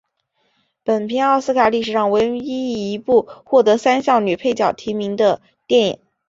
本片奥斯卡历史上唯一一部获得三项女配角提名的电影。